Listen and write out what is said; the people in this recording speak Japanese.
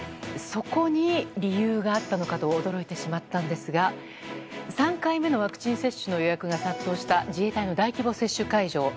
そこに理由があったのかと驚いてしまったんですが３回目のワクチン接種の予約が殺到した自衛隊の大規模接種会場。